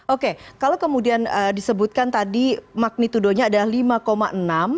oke kalau kemudian disebutkan tadi magnitudonya adalah lima enam